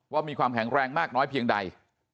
มีความแข็งแรงมากน้อยเพียงใด